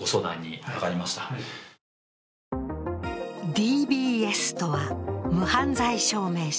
ＤＢＳとは、無犯罪証明書。